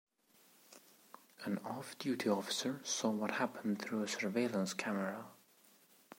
An off-duty officer saw what happened through a surveillance camera.